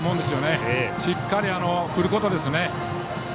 しっかり振ることですね。